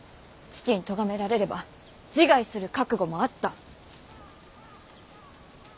父に咎められれば自害する覚悟もあった。